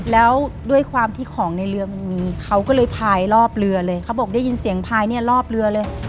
แล้วด้วยความที่ของในเรือมันมีเขาก็เลยพายรอบเรือเลยเขาบอกได้ยินเสียงพายเนี่ยรอบเรือเลย